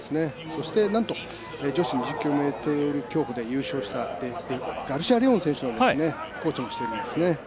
そして、女子２０ｋｍ競歩で優勝したガルシア・レオン選手のコーチもしているんですよね。